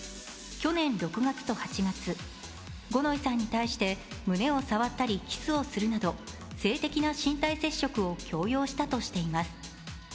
去年６月と８月、五ノ井さんに対して胸を触ったりキスをするなど性的な身体接触を強要したとしています。